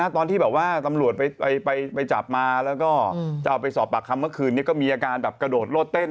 ตอนที่แบบว่าตำรวจไปจับมาแล้วก็จะเอาไปสอบปากคำเมื่อคืนนี้ก็มีอาการแบบกระโดดโลดเต้น